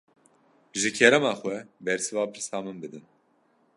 Ji kerema xwe, bersiva pirsa min bidin